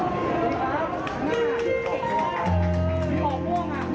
กลับเข้าขอบคุณครับ